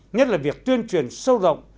nhất là việc tuyên truyền sâu rộng